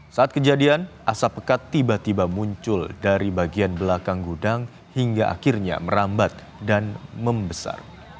saat kejadian asap pekat tiba tiba muncul dari bagian belakang gudang hingga akhirnya merambat dan membesar